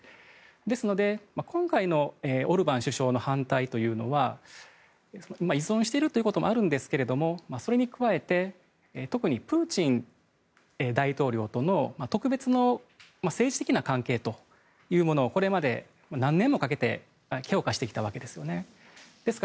ですので、今回のオルバン首相の反対というのは依存しているということもあるんですけどもそれに加えて特にプーチン大統領との特別の政治的な関係というものをこれまで何年もかけて強化してきたわけです。